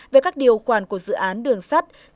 về các điều khoản của dự án đường sắt cao tốc